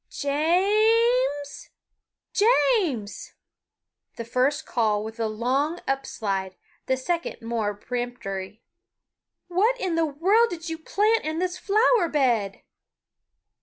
"Ja a a a mes? James!" the first call with a long up slide, the second more peremptory "what in the world did you plant in this flower bed?"